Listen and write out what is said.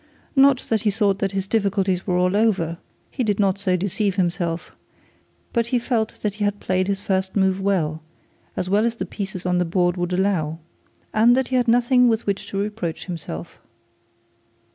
Not that he thought that his difficulties were over; he did not so deceive himself; but he felt that he had played his first move well, as well as the pieces on the board would allow; and that he had nothing with which to reproach himself.